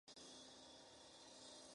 Era hijo de un estanciero y de una mulata.